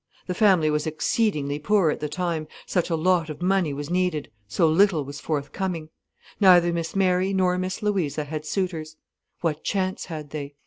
The family was exceedingly poor at the time, such a lot of money was needed, so little was forthcoming. Neither Miss Mary nor Miss Louisa had suitors. What chance had they?